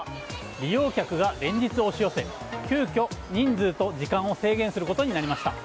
利用客が連日押し寄せ急きょ、人数と時間を制限することになりました。